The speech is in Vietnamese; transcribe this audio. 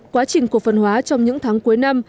quá trình cổ phần hóa trong những tháng cuối năm